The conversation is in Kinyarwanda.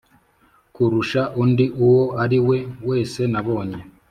kurusha undi uwo ariwe wese nabonye